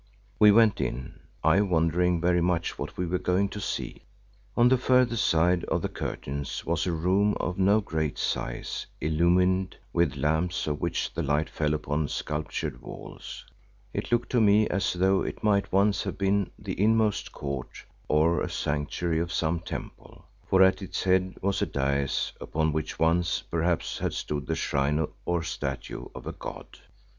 We went in, I wondering very much what we were going to see. On the further side of the curtains was a room of no great size illumined with lamps of which the light fell upon sculptured walls. It looked to me as though it might once have been the inmost court or a sanctuary of some temple, for at its head was a dais upon which once perhaps had stood the shrine or statue of a god.